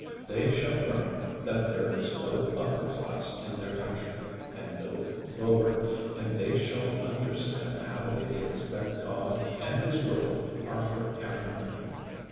They shall learn that there is no upper class in their country, and no lower, and they shall understand how it is that God and His world are for everybody.